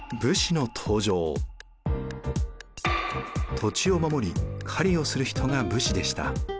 土地を守り狩りをする人が武士でした。